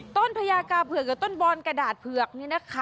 ต้นพญากาเผือกกับต้นบอลกระดาษเผือก